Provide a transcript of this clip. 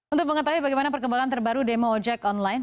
untuk mengetahui bagaimana perkembangan terbaru demo ojek online